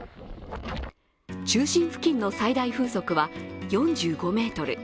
中心付近の最大風速は４５メートル。